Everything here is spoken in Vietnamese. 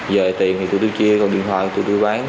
giờ tiền thì tụi tôi chia còn điện thoại thì tụi tôi bán